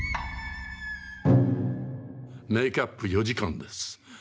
メーキャップ４時間です。